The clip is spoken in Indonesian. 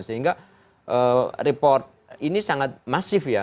sehingga report ini sangat masif ya